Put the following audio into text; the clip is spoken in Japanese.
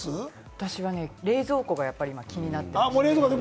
私は冷蔵庫が気になっています。